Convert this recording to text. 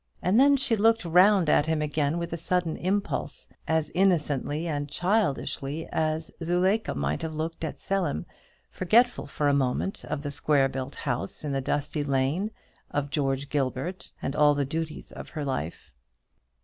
And then she looked round at him again with a sudden impulse, as innocently and childishly us Zuleika may have looked at Selim; forgetful for a moment of the square built house in the dusty lane, of George Gilbert, and all the duties of her life.